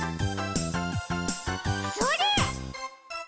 それ！